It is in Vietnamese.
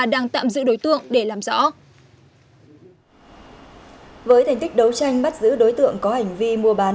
đang tạm giữ đối tượng để làm rõ với thành tích đấu tranh bắt giữ đối tượng có hành vi mua bán